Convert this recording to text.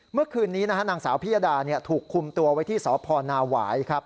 เมื่อคืนนี้นะฮะนางสาวพิยดาถูกคุมตัวไว้ที่สพนาหวายครับ